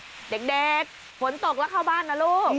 ไม่แข็งแรงเด็กผลตกแล้วเข้าบ้านนะลูก